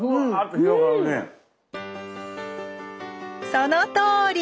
そのとおり！